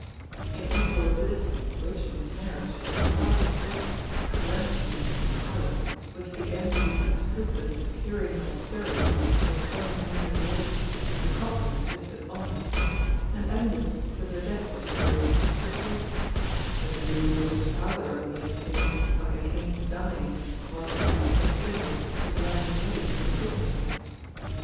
In all probability Richmond's marriage was a part of the plot for aggrandisement of the Howards which began with the unscrupulous securing by Surrey of the son of Henry VIII at the cost of his sister's honour; and ended with the death of Surrey as a traitor a doom which his father only escaped by the King dying whilst the Act of Attainder was lying ready for his signature.